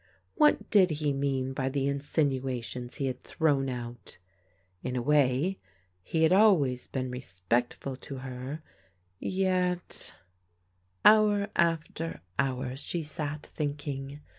What did he mean by the in sinuations he had thrown out ? In a way, he had always been respectful to her, yet Hour after hour she sat thinking.